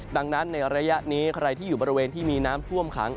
ดังนั้นในระยะนี้ใครที่อยู่บริเวณที่มีน้ำท่วมขัง